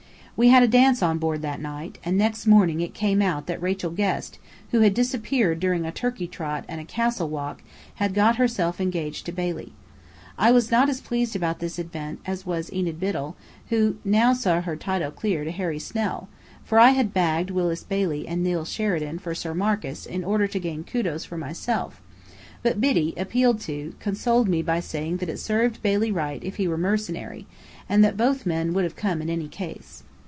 We had a dance on board that night; and next morning it came out that Rachel Guest, who had disappeared during a "turkey trot" and a "castle walk," had got herself engaged to Bailey. I was not as pleased about this event as was Enid Biddell, who now saw her "title clear" to Harry Snell; for I had "bagged" Willis Bailey and Neill Sheridan for Sir Marcus in order to gain Kudos for myself: but Biddy, appealed to, consoled me by saying it served Bailey right if he were mercenary: and that both men would have come in any case.